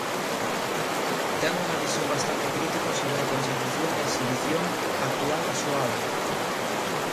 Ten unha visión bastante crítica sobre a conservación e exhibición actual da súa obra.